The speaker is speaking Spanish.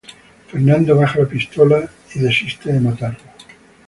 Fernando baja la pistola y desiste de matarlo.